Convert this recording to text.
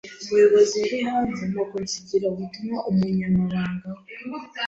Umuyobozi yari hanze, nuko nsigira ubutumwa umunyamabanga we.